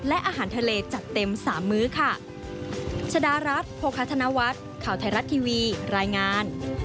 และอาหารทะเลจัดเต็ม๓มื้อค่ะ